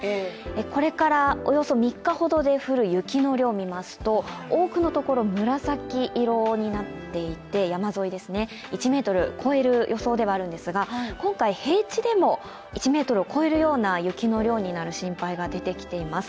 これからおよそ３日ほどで降る雪の量を見ますと多くのところ、紫色になっていて山沿いですね、１ｍ超える予想ではあるんですが、今回平地でも１ｍ超えるような雪の量になる心配が出てきています。